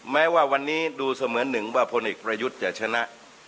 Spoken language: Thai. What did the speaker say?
แม้ว่าวันนี้ดูเสมือนหนึ่งว่าพลเอกประยุทธ์จะชนะ